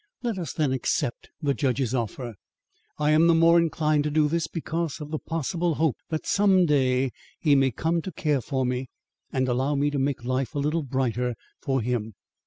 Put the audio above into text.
Let us then accept the judge's offer. I am the more inclined to do this because of the possible hope that some day he may come to care for me and allow me to make life a little brighter for him.